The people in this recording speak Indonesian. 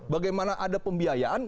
bagaimana ada pembiayaan